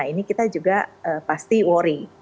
ini kita juga pasti worry